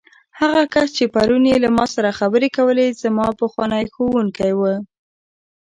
هغه کس چې پرون یې له ما سره خبرې کولې، زما پخوانی ښوونکی و.